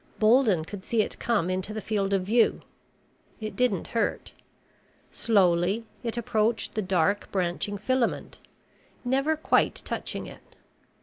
Bolden could see it come into the field of view. It didn't hurt. Slowly it approached the dark branching filament, never quite touching it.